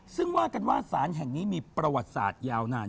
ซึ่งว่ากันว่าสารแห่งนี้มีประวัติศาสตร์ยาวนาน